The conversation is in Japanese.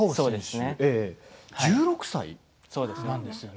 １６歳なんですね。